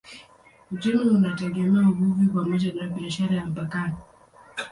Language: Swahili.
Uchumi unategemea uvuvi pamoja na biashara ya mpakani.